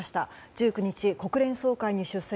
１９日、国連総会に出席。